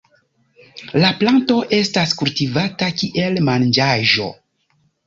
La planto estas kultivata kiel manĝaĵo.